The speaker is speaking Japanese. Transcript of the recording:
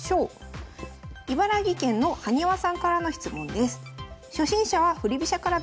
茨城県のはにわさんからの質問です。